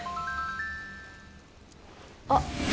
あっ。